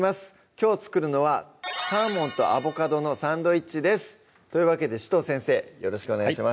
きょう作るのは「サーモンとアボカドのサンドイッチ」ですというわけで紫藤先生よろしくお願いします